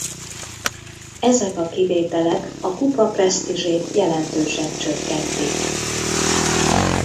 Ezek a kivételek a kupa presztízsét jelentősen csökkentik.